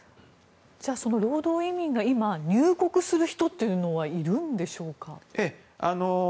じゃあ、その労働移民が今、入国する人というのはいるんでしょうか。